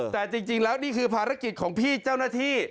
แต่จริงแล้วนี่คือภารกิจของพี่เจ้าหน้าที่